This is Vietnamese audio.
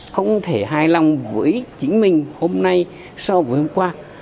không thể hài lòng với chính mình hôm nay so với hôm qua